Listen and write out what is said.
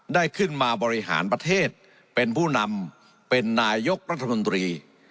ได้ขึ้นมาบริหารประเทศเป็นผู้นำเป็นนายกรัฐมนตรี